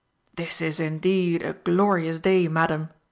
"This is indeed a glorious day, Madam!"